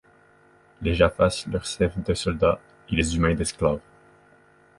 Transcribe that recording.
Les Jaffas leur servent de soldats, et les humains d'esclaves.